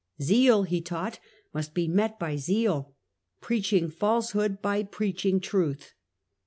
" Zeal," he taught, " must be met by zeal, preach ing falsehood by preaching truth."